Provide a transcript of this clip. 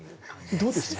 どうですか？